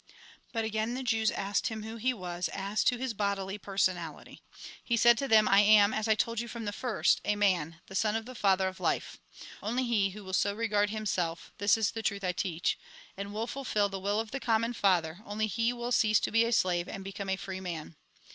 But again the Jews asked him who he was, as to his bodily personality. He said to them :" I am, as I told you from the first, a man, the Son of the Father of life. Only he who will so regard himself (this is the truth I teach), and will fulfil the will of the common Father, only he will cease to be a slave, and become a free man.